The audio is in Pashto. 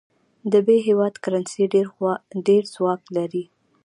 د ب هیواد کرنسي ډېر ځواک لري.